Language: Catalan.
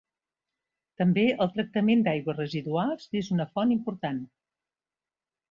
També el tractament d'aigües residuals n'és una font important.